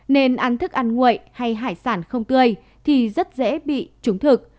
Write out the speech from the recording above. nên ăn thức ăn nguội hay hải sản không tươi thì rất dễ bị trúng thực